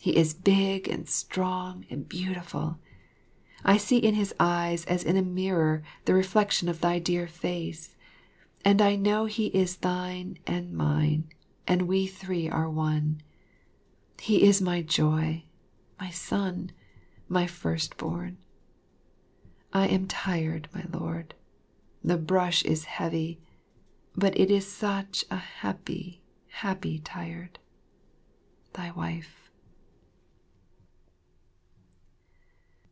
He is big and strong and beautiful. I see in his eyes as in a mirror the reflection of thy dear face, and I know he is thine and mine, and we three are one. He is my joy, my son, my first born. I am tired, my lord, the brush is heavy, but it is such a happy, happy tired. Thy Wife.